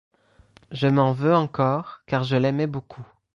Je m'en veux encore, car je l'aimais beaucoup.